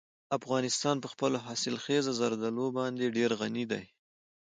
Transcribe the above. افغانستان په خپلو حاصلخیزه زردالو باندې ډېر غني دی.